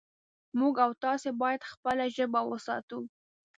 موږ او تاسې باید خپله ژبه وساتو